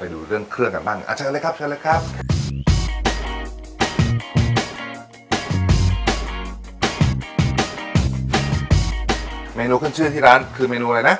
เมนูขึ้นชื่นที่ร้านคืออะไรนะ